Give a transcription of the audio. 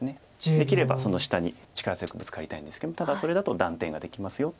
できればその下に力強くブツカりたいんですけどもただそれだと断点ができますよと。